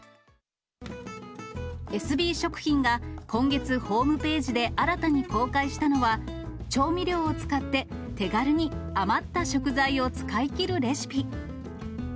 エスビー食品が今月、ホームページで新たに公開したのは、調味料を使って、手軽に余った食材を使い切るレシピ。